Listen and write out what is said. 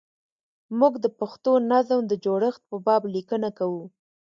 موږ د پښتو نظم د جوړښت په باب لیکنه کوو.